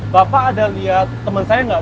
bapak ada liat temen saya gak